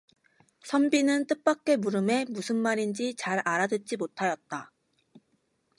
선비는 뜻밖의 물음에 무슨 말인지 잘 알아듣지 못하였다.